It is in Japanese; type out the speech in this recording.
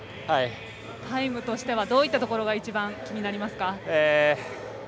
タイムとしてはどういったところが一番、気になりますか。